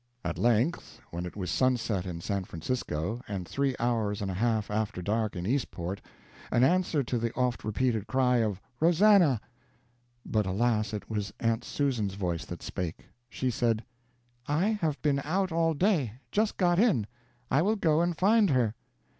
At length, when it was sunset in San Francisco, and three hours and a half after dark in Eastport, an answer to the oft repeated cry of "Rosannah!" But, alas, it was Aunt Susan's voice that spake. She said: "I have been out all day; just got in. I will go and find her."